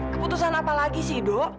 keputusan apa lagi sih dok